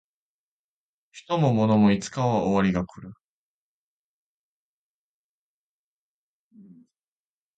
人も物もいつかは終わりが来る